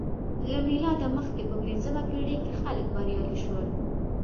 له میلاده مخکې په پنځمه پېړۍ کې خلک بریالي شول